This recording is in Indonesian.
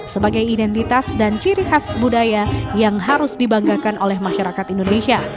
sebagai identitas dan ciri khas budaya yang harus dibanggakan oleh masyarakat indonesia